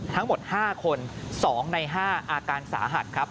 ทั้งหมด๕คน๒ใน๕อาการสาหัสครับ